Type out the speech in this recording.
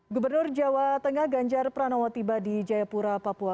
gubernur jawa tengah ganjar pranowo tiba di jayapura papua